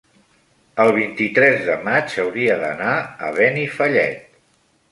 el vint-i-tres de maig hauria d'anar a Benifallet.